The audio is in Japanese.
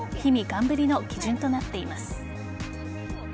寒ぶりの基準となっています。